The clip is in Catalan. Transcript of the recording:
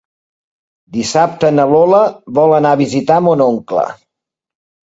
Dissabte na Lola vol anar a visitar mon oncle.